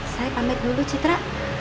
saya pamit dulu citra